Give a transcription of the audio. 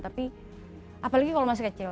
tapi apalagi kalau masih kecil